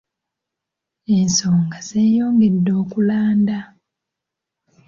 Ensonga zeeyongedde okulanda.